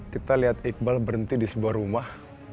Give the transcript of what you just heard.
kita lihat iqbal berhenti di sebuah rumah